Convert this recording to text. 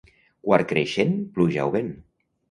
Quart creixent, pluja o vent.